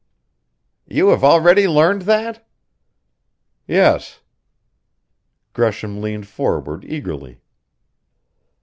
"You have already learned that?" "Yes." Gresham leaned forward eagerly.